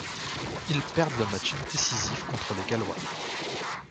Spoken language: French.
Ils perdent le match décisif contre les Gallois.